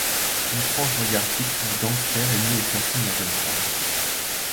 L'étrange regard fixe du gangster émeut et fascine la jeune femme.